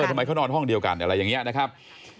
ทำไมเขานอนห้องเดียวกันอะไรอย่างนี้นะครับ